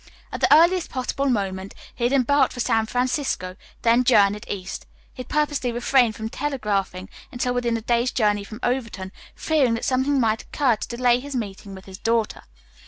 At the earliest possible moment he had embarked for San Francisco, then journeyed east. He had purposely refrained from telegraphing until within a day's journey from Overton, fearing that something might occur to delay his meeting with his daughter.